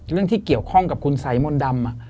เรื่องที่เกี่ยวข้องกับคุณสายมนต์ดำ